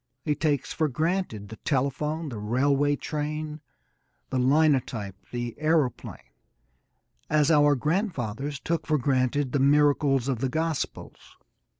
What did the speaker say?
He takes for granted the telephone, the railway train, the linotype, the aeroplane, as our grandfathers took for granted the miracles of the gospels.